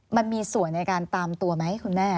มันมีส่วนในการตามตัวไหมคุณแม่